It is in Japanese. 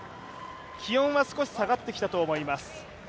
気温は少し下がってきたと思います。